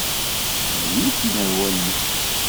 D nekk i d awanek!